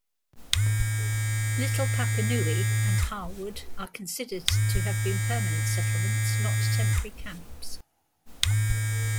Little Papanui and Harwood are considered to have been permanent settlements, not temporary camps.